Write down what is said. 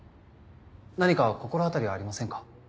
何か心当たりありませんか？